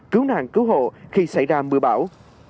cứu nạn cứu hộ khi xảy ra mưa bão